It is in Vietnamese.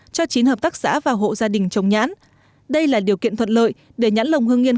cho chín hợp tác xã và hộ gia đình trồng nhãn đây là điều kiện thuận lợi để nhãn lồng hương yên